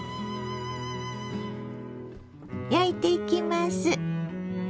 焼いていきます。